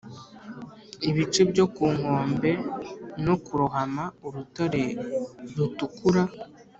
ibice byo ku nkombe no kurohama urutare rutukura;